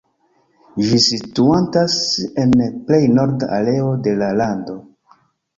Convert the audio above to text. Ĝi situantas en plej norda areo de la lando.